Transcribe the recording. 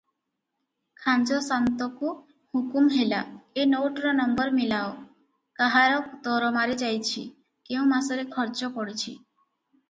ଖାଞ୍ଜଶାନ୍ତକୁ ହୁକୁମ୍ ହେଲା- ଏ ନୋଟର ନମ୍ବର ମିଳାଅ- କାହାର ଦରମାରେ ଯାଇଚି- କେଉଁ ମାସରେ ଖର୍ଚ୍ଚ ପଡ଼ିଚି?